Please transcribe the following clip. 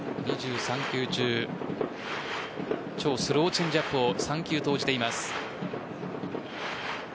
２３球中超スローチェンジアップを３球投じています。